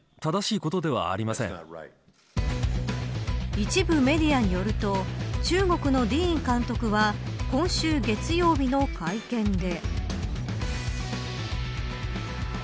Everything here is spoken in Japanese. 一部メディアによると中国のディーン監督は今週月曜日の会見で。